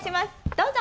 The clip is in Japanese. どうぞ！